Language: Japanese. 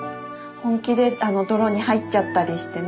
本気で泥に入っちゃったりしてね。